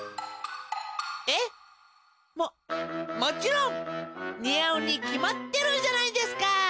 えっ？ももちろん！にあうにきまってるじゃないですか！